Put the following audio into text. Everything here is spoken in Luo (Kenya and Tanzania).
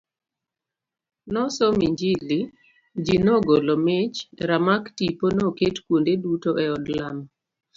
Nosom injili, ji nogolo mich, ramak tipo noket kuonde duto e od lamo.